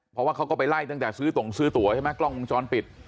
เพราะว่าเขาก็ไปไล่ตั้งแต่ซื้อต่วใช่ไหมกล้องมันช้อนปิด